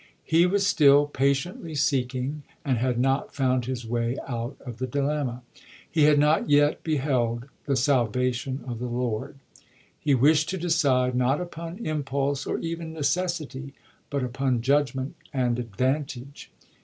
He was still patiently seeking, and had not found his way out of the dilemma. He had not yet beheld "the salvation of the Lord." He wished to decide, not upon impulse or even neces sity, but upon judgment and advantage.